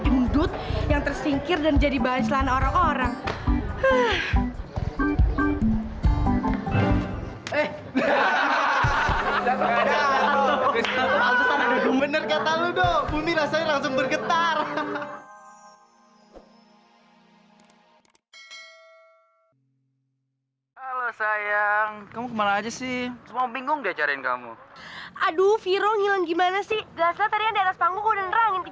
bener kata lu dong bumi rasanya langsung bergetar